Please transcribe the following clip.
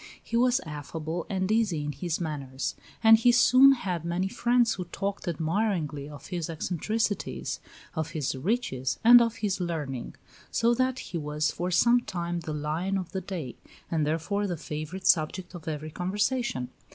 He was affable and easy in his manners; and he soon had many friends who talked admiringly of his eccentricities, of his riches, and of his learning; so that he was for some time the lion of the day, and therefore the favorite subject of every conversation.